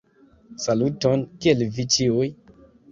Saluton, Kiel vi ĉiuj?